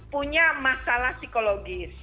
punya masalah psikologis